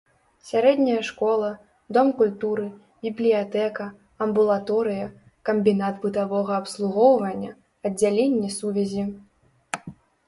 Сярэдняя школа, дом культуры, бібліятэка, амбулаторыя, камбінат бытавога абслугоўвання, аддзяленне сувязі.